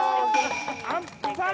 ◆あっぱれ！